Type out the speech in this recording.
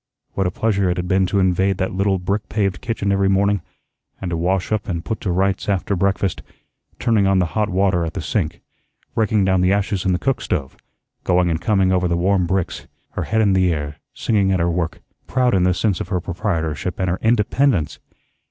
What a pleasure it had been to invade that little brick paved kitchen every morning, and to wash up and put to rights after breakfast, turning on the hot water at the sink, raking down the ashes in the cook stove, going and coming over the warm bricks, her head in the air, singing at her work, proud in the sense of her proprietorship and her independence!